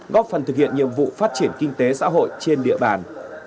góp phần thực hiện nhiệm vụ phát triển kinh tế xã hội trên địa bàn